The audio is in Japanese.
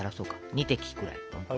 ２滴ぐらい。